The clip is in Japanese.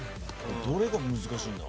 どれが難しいんだ？